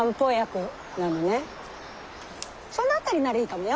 その辺りならいいかもよ。